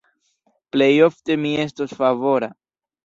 Plejofte mi estos favora.